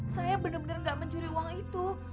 saya bener bener gak mencuri uang itu